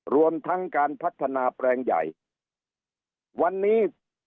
รวมทั้งการพัฒนาแปลงใหญ่วันนี้